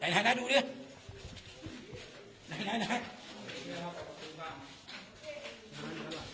นายนายนายดูดินายนายนายนี่ครับตรงบ้าน